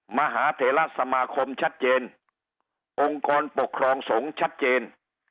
มหาเถระสมาคมชัดเจนองค์กรปกครองสงฆ์ชัดเจน